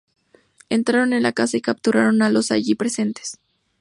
Entraron en la casa y capturaron a los allí presentes.